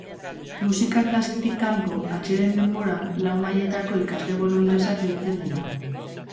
Musika klasetik kanpo, atseden denboran, lau mailetako ikasle bolondresak biltzen dira.